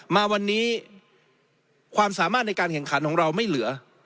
มาวันนี้ความสามารถในการแข่งขันของเราไม่เหลือ